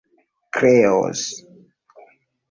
kreos